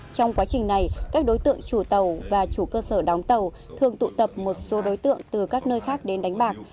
trong quá trình này các đối tượng chủ tàu và chủ cơ sở đóng tàu thường tụ tập một số đối tượng từ các nơi khác đến đánh bạc